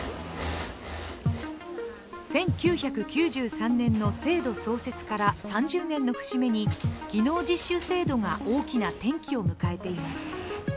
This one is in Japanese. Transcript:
１９９３年の制度創設から３０年の節目に技能実習制度が大きな転機を迎えています。